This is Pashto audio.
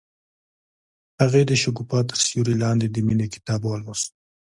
هغې د شګوفه تر سیوري لاندې د مینې کتاب ولوست.